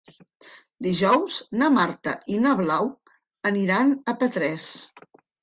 Dijous na Marta i na Blau aniran a Petrés.